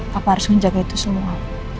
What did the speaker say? tapi harus menjaga itu semua